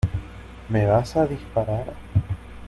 ¿ me vas a disparar?